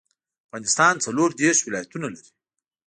افغانستان څلور ديرش ولايتونه لري